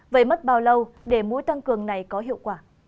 vậy mất bao lâu để mũi tăng cường này có hiệu quả